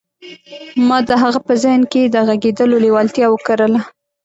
ما د هغه په ذهن کې د غږېدلو لېوالتیا وکرله